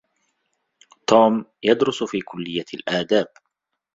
توم يدرس في كلّية الآداب.